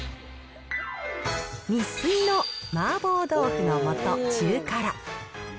ニッスイの麻婆豆腐の素中辛。